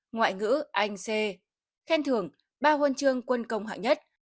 ngoại ngữ a n c khen thường ba huân chương quân công hạ nhất